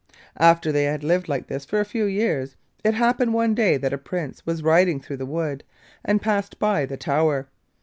After they had lived like this for a few years, it happened one day that a Prince was riding through the wood and passed by the tower.